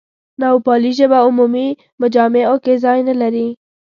نوپالي ژبه عمومي مجامعو کې ځای نه لري.